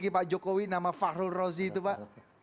bagi pak jokowi nama fahru rozzi itu pak